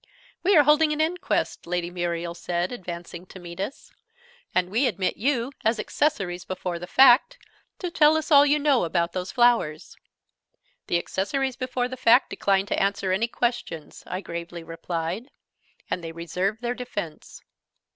"We are holding an Inquest," Lady Muriel said, advancing to meet us: "and we admit you, as Accessories before the Fact, to tell us all you know about those flowers." "The Accessories before the Fact decline to answer any questions," I gravely replied. "And they reserve their defence."